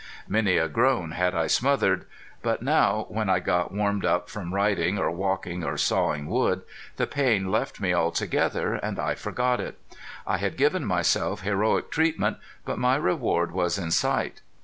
Many a groan had I smothered. But now, when I got warmed up from riding or walking or sawing wood, the pain left me altogether and I forgot it. I had given myself heroic treatment, but my reward was in sight.